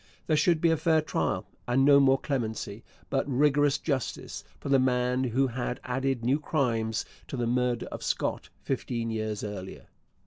There should be a fair trial and no more clemency, but rigorous justice, for the man who had added new crimes to the murder of Scott fifteen years earlier.